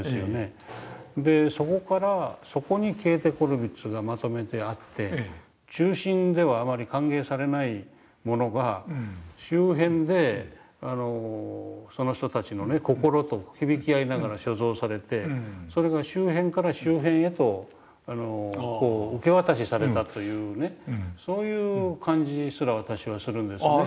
そこからそこにケーテ・コルヴィッツがまとめてあって中心ではあまり歓迎されないものが周辺でその人たちの心と響き合いながら所蔵されてそれが周辺から周辺へと受け渡しされたというそういう感じすら私はするんですね。